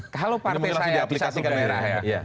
kalau partai saya di satu daerah ya